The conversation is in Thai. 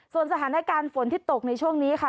ส่วนสถานการณ์ฝนที่ตกในช่วงนี้ค่ะ